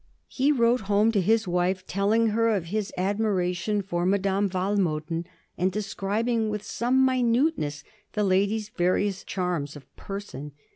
He wrote home to his wife, telling her of his admi ration for Madame Walmoden, and describing with some minuteness the lady's various charms of person.